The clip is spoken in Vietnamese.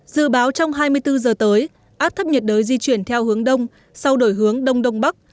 dự báo trong hai mươi bốn giờ tới áp thấp nhiệt đới di chuyển theo hướng đông sau đổi hướng đông đông bắc